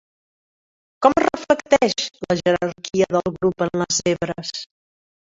Com es reflecteix la jerarquia del grup en les zebres?